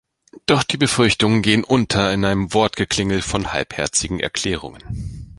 Doch die Befürchtungen gehen unter in einem Wortgeklingel von halbherzigen Erklärungen.